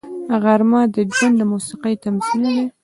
غرمه د ژوند د موسیقۍ تمثیل ده